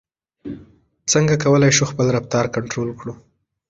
څنګه کولای شو خپل رفتار کنټرول کړو؟